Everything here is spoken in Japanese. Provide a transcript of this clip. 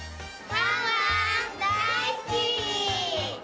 ワンワンだいすき！